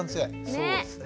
そうですね。